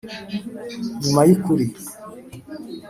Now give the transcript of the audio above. nyuma yukuri